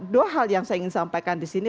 dua hal yang ingin saya sampaikan disini